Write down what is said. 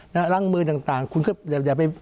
ล้างมือต่างคุณก็อย่าไป